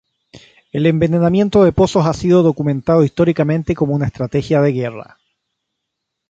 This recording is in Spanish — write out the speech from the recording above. El envenenamiento de pozos ha sido documentado históricamente como una estrategia de guerra.